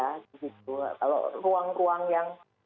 kalau ruang ruang yang